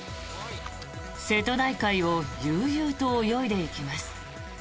瀬戸内海を悠々と泳いでいきます。